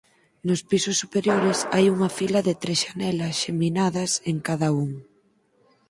Nos pisos superiores hai unha fila de tres xanelas xeminadas en cada un.